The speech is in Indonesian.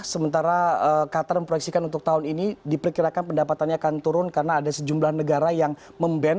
sementara qatar memproyeksikan untuk tahun ini diperkirakan pendapatannya akan turun karena ada sejumlah negara yang memband